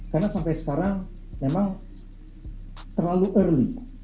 karena sampai sekarang memang terlalu awal